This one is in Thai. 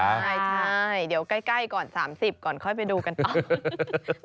ใช่เดี๋ยวใกล้ก่อน๓๐ก่อนค่อยไปดูกันต่อ